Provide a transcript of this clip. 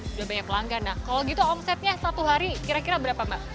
sudah banyak pelanggan nah kalau gitu omsetnya satu hari kira kira berapa mbak